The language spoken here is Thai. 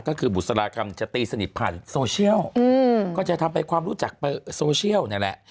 ก็คือบุษรากรรมจะตีสนิทผ่านโซเชียลก็จะทำให้ความรู้จักโซเชียลนี่แหละ